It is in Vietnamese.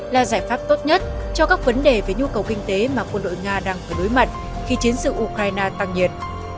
là giải pháp tốt nhất cho các vấn đề về nhu cầu kinh tế mà quân đội nga đang phải đối mặt khi chiến sự ukraine tăng nhiệt